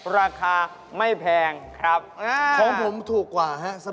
ราคาไม่แพงครับอ่าของผมถูกกว่าฮะสมมุติ